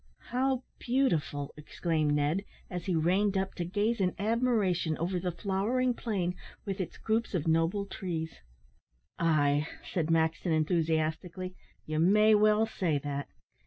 "How beautiful!" exclaimed Ned, as he reined up to gaze in admiration over the flowering plain, with its groups of noble trees. "Ay," said Maxton, enthusiastically, "you may well say that.